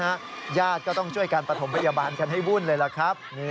ครับนะฮะญาติก็ต้องช่วยการประถมพยาบาลให้วุ่นเลยล่ะครับ